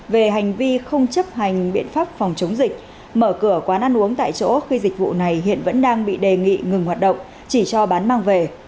về hành vi không chấp hành biện pháp phòng chống dịch mở cửa quán ăn uống tại chỗ khi dịch vụ này hiện vẫn đang bị đề nghị ngừng hoạt động chỉ cho bán mang về